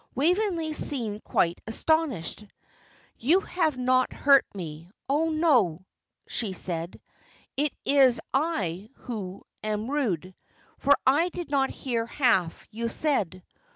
Waveney seemed quite astonished. 'You have not hurt me, oh, no!' she said. 'It is I who am rude, for I did not hear half you said.